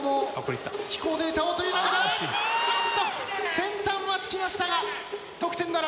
先端はつきましたが得点ならず。